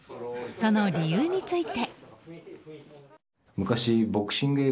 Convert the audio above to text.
その理由について。